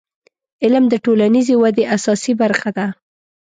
• علم د ټولنیزې ودې اساسي برخه ده.